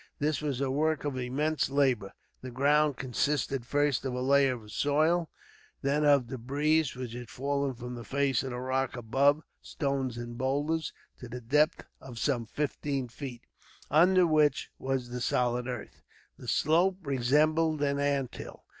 This was a work of immense labour, the ground consisting first of a layer of soil, then of debris which had fallen from the face of the rock above, stones and boulders, to the depth of some fifteen feet, under which was the solid earth. The slope resembled an anthill.